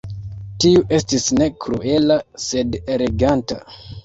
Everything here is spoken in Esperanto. Tiu estis ne kruela, sed eleganta.